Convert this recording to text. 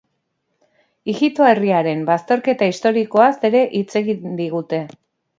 Ijito herriaren bazterketa historikoaz ere hitz egin digute.